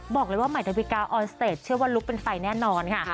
บอกเลยว่าใหม่ดาวิกาออนสเตจเชื่อว่าลุคเป็นไฟแน่นอนค่ะ